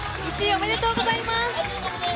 ありがとうございます。